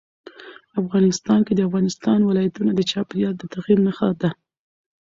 افغانستان کې د افغانستان ولايتونه د چاپېریال د تغیر نښه ده.